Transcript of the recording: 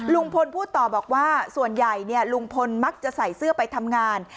ลุงพลพูดต่อบอกว่าส่วนใหญ่ลุงพลมักจะใส่เสื้อไปทำงาน